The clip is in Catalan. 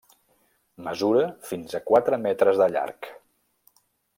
Mesura fins a quatre metres de llarg.